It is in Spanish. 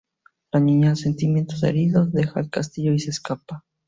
La niña, sentimientos heridos, dejar el castillo y se escapa.